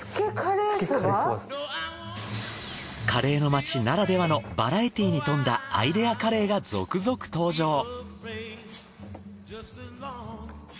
カレーの街ならではのバラエティーに富んだアイデアカレーが続々登場。